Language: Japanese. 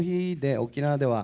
沖縄では。